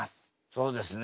そうですね。